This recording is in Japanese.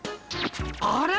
あれ？